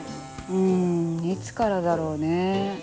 うんいつからだろうねぇ。